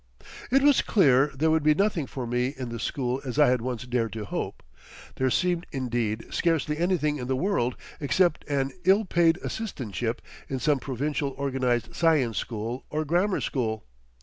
It was clear there would be nothing for me in the schools as I had once dared to hope; there seemed, indeed, scarcely anything in the world except an illpaid assistantship in some provincial organized Science School or grammar school.